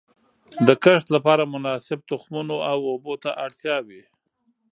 د کښت لپاره مناسب تخمونو او اوبو ته اړتیا وي.